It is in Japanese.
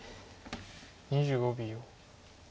２５秒。